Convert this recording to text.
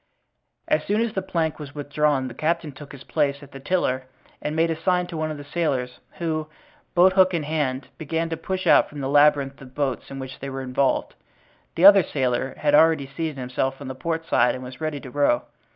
As soon as the plank was withdrawn the captain took his place at the tiller and made a sign to one of the sailors, who, boat hook in hand, began to push out from the labyrinth of boats in which they were involved. The other sailor had already seated himself on the port side and was ready to row.